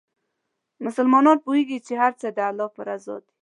مسلمان پوهېږي چې هر څه د الله په رضا دي.